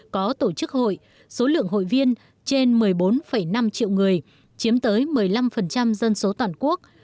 có tổ chức hội số lượng hội viên trên một mươi bốn năm triệu người chiếm tới một mươi năm dân số toàn quốc